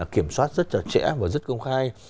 kiểm soát rất là trễ và rất công khai